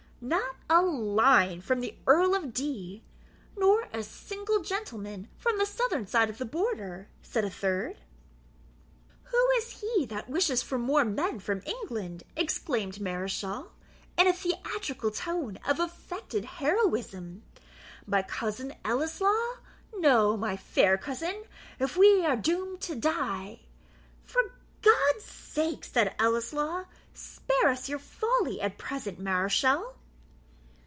"Not a line from the Earl of D , nor a single gentleman from the southern side of the Border," said a third. "Who is he that wishes for more men from England," exclaimed Mareschal, in a theatrical tone of affected heroism, "My cousin Ellieslaw? No, my fair cousin, If we are doom'd to die " "For God's sake," said Ellieslaw, "spare us your folly at present, Mareschal."